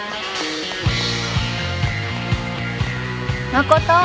誠。